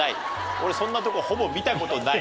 俺そんなとこほぼ見た事ない。